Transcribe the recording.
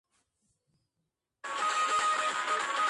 დასავლეთიდან შემოზღუდულია ტროგული ხეობით.